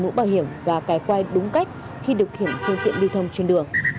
mũ bảo hiểm và cài quay đúng cách khi được khiển phương tiện đi thông trên đường